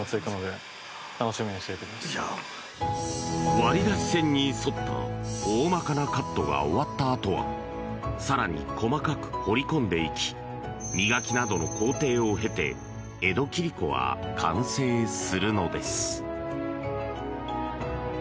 割り出し線に沿った大まかなカットが終わったあとは更に細かく彫り込んでいき磨きなどの工程を経て江戸切子は完成するのです。